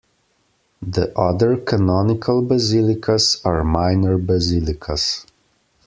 The other canonical basilicas are minor basilicas.